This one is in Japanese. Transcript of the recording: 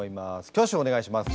挙手お願いします。